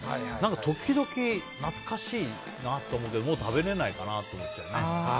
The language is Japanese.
時々、懐かしいなって思うけどもう食べれないかなと思っちゃうよね。